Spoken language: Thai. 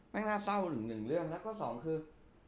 น่าเศร้าหนึ่งเรื่องแล้วก็สองคือ